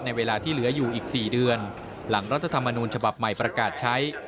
เวลาที่เหลืออยู่อีก๔เดือนหลังรัฐธรรมนูญฉบับใหม่ประกาศใช้